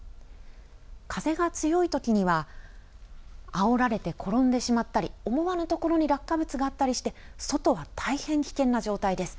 風が強いときにはあおられて転んでしまったり思わぬところに落下物があったりして外は大変危険な状態です。